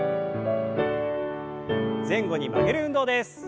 前後に曲げる運動です。